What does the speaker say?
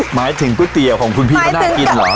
หมายถึงก๋วยเตี๋ยวของคุณพี่เขาน่ากินเหรอ